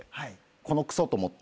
このクソ！と思って。